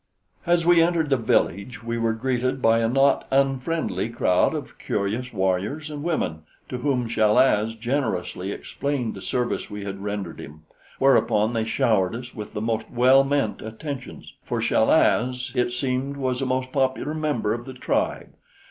As we entered the village, we were greeted by a not unfriendly crowd of curious warriors and women, to whom Chal az generously explained the service we had rendered him, whereupon they showered us with the most well meant attentions, for Chal az, it seemed, was a most popular member of the tribe.